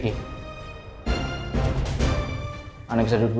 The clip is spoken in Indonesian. anak satu dulu